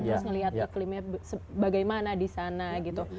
terus ngelihat iklimnya bagaimana di sana gitu